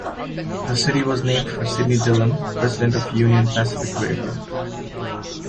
The city was named for Sidney Dillon, president of the Union Pacific Railroad.